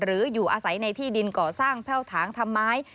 อยู่อาศัยในที่ดินก่อสร้างแพ่วถางทำไม